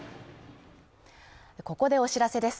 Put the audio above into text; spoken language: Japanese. ここでお知らせです。